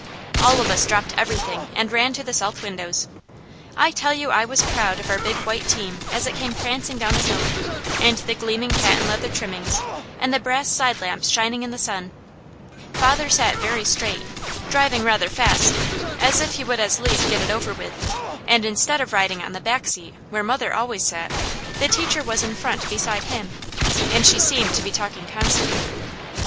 All of us dropped everything and ran to the south windows. I tell you I was proud of our big white team as it came prancing down the hill, and the gleaming patent leather trimmings, and the brass side lamps shining in the sun. Father sat very straight, driving rather fast, as if he would as lief get it over with, and instead of riding on the back seat, where mother always sat, the teacher was in front beside him, and she seemed to be talking constantly.